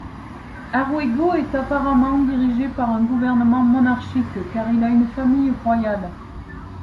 Aerugo est apparemment dirigé par un gouvernement monarchique, car il a une famille royale.